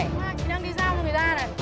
chị đang đi giao người ra này